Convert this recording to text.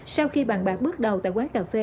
sau khi bàn bạc bước đầu tại quán cà phê